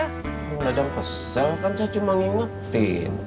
tukang dadang kesel kan saya cuma ngingetin